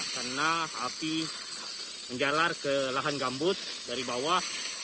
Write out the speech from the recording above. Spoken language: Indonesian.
karena api menjalar ke lahan gambut dari bawah